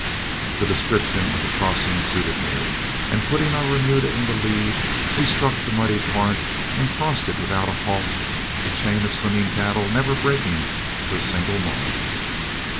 The description of the crossing suited me, and putting our remuda in the lead, we struck the muddy torrent and crossed it without a halt, the chain of swimming cattle never breaking for a single moment.